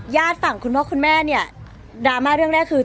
ฝั่งคุณพ่อคุณแม่เนี่ยดราม่าเรื่องแรกคือ